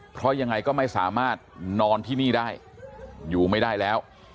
เพราะยังไงก็ไม่สามารถนอนที่นี่ได้อยู่ไม่ได้แล้ว